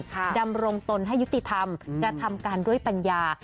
ดำรงตนให้ยุติธรรมกระทำการด้วยปัญญา